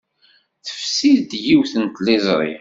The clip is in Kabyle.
Tefsi-d yiwet n tliẓri.